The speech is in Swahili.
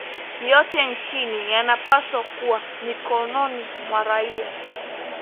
yote nchini yanapaswa kuwa mikononi mwa raia